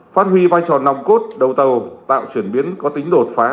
phát huy vai trò nòng cốt đầu tàu tạo chuyển biến có tính đột phá